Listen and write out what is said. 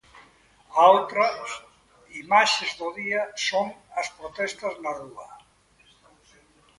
A outra imaxes do día son as protestas na rúa.